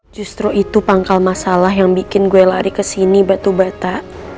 justru itu pangkal masalah yang bikin gue lari ke sini batu bata